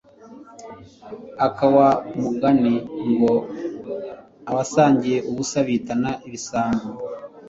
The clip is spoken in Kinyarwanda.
aka wa mugani ngo “abasangiye ubusa bitana ibisambo